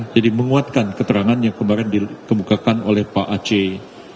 jadi menguatkan keterangan yang kemarin dikemukakan oleh pak aceh